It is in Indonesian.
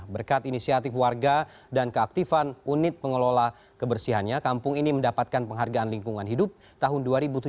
berkat inisiatif warga dan keaktifan unit pengelola kebersihannya kampung ini mendapatkan penghargaan lingkungan hidup tahun dua ribu tujuh belas